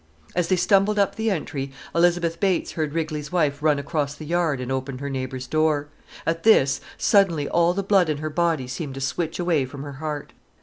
As they stumbled up the entry, Elizabeth Bates heard Rigley's wife run across the yard and open her neighbour's door. At this, suddenly all the blood in her body seemed to switch away from her heart.